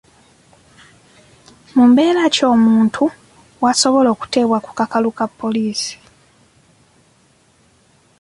Mu mbeera ki omuntu w'asobola okuteebwa ku kakalu ka poliisi?